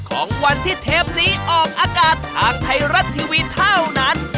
ของวันที่เทปนี้ออกอากาศทางไทยรัฐทีวีเท่านั้น